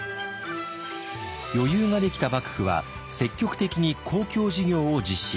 余裕ができた幕府は積極的に公共事業を実施。